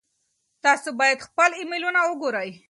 تاسو باید خپل ایمیلونه وګورئ.